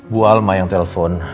bu alma yang telepon